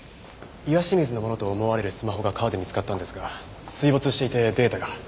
岩清水のものと思われるスマホが川で見つかったんですが水没していてデータが。